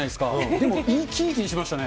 でも胃、きりきりしましたね。